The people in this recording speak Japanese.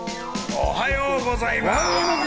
おはようございます！